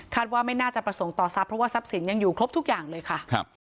ว่าไม่น่าจะประสงค์ต่อทรัพย์เพราะว่าทรัพย์สินยังอยู่ครบทุกอย่างเลยค่ะ